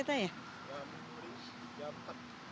jam berisi jam empat